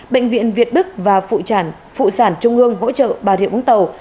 bệnh viện việt đức và phụ sản trung ương hỗ trợ bà rịa vũng tàu